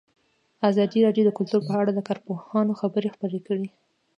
ازادي راډیو د کلتور په اړه د کارپوهانو خبرې خپرې کړي.